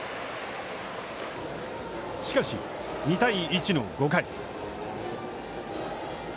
しかし、２対１の５回。